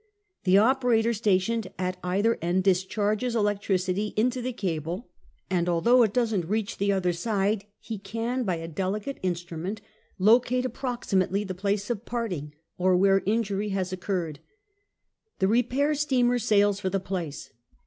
The operator stationed at either end discharges electricity into the cable, and, although it does not reach the other side, he can, by a delicate instrument, locate approximately the place of parting or where injury has occurred. The repair steamer sails for the place.